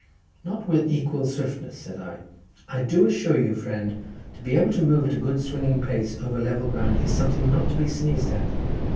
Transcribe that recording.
"Not with equal swiftness," said I. "I do assure you, friend, to be able to move at a good swinging pace over level ground is something not to be sneezed at.